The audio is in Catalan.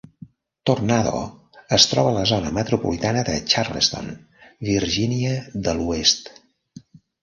Tornado es troba a la zona metropolitana de Charleston, Virgínia de l'Oest.